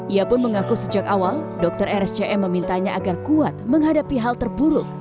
ia pun mengaku sejak awal dokter rscm memintanya agar kuat menghadapi hal terburuk